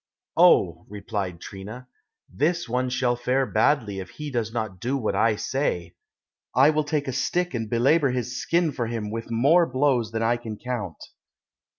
"Oh," replied Trina, "this one shall fare badly if he does not do what I say! I will take a stick and belabour his skin for him with more blows than I can count.